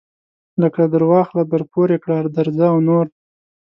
لکه درواخله درپورې کړه درځه او نور.